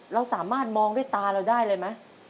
เราสามารถมองด้วยตาเราได้เลยไหม